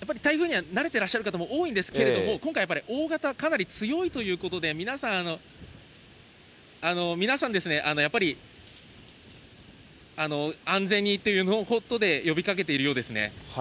やはり台風に慣れてらっしゃる方も多いんですけれども、今回やっぱり大型、かなり強いということで、皆さん、皆さんですね、やっぱり安全にということで呼びかけているようですね。